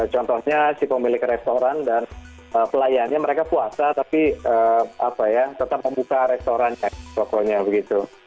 contohnya si pemilik restoran dan pelayannya mereka puasa tapi tetap membuka restorannya pokoknya begitu